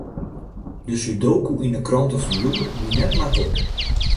De sudoku yn de krante fan hjoed wie net maklik.